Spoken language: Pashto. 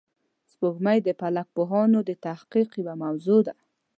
سپوږمۍ د فلک پوهانو د تحقیق یوه موضوع ده